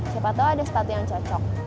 siapa tahu ada sepatu yang cocok